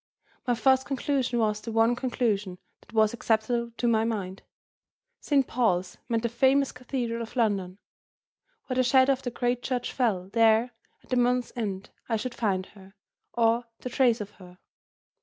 My first conclusion was the one conclusion that was acceptable to my mind. "Saint Paul's" meant the famous Cathedral of London. Where the shadow of the great church fell, there, at the month's end, I should find her, or the trace of her.